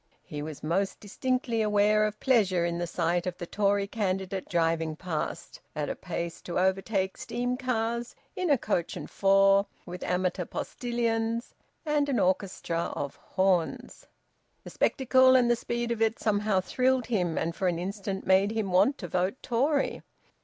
He was most distinctly aware of pleasure in the sight of the Tory candidate driving past, at a pace to overtake steam cars, in a coach and four, with amateur postilions and an orchestra of horns. The spectacle, and the speed of it, somehow thrilled him, and for an instant made him want to vote Tory.